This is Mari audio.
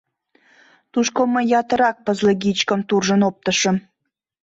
Тушко мый ятырак пызлыгичкым туржын оптышым.